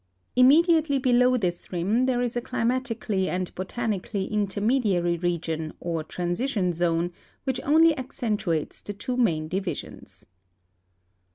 Immediately below this rim there is a climatically and botanically intermediary region or transition zone which only accentuates the two main divisions.